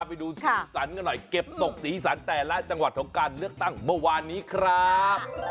ไปดูสีสันกันหน่อยเก็บตกสีสันแต่ละจังหวัดของการเลือกตั้งเมื่อวานนี้ครับ